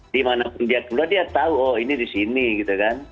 dimanapun dia keluar dia tahu oh ini di sini gitu kan